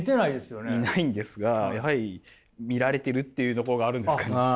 いないんですがやはり見られてるっていうところがあるんですかね。